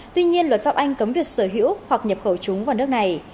tuy nhiên luật pháp anh cấm việc sở hữu hoặc nhập khẩu chúng vào nước này